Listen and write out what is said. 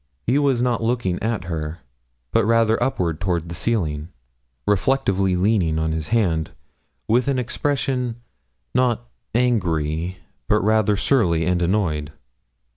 He was not looking at her, but rather upward toward the ceiling, reflectively leaning on his hand, with an expression, not angry, but rather surly and annoyed.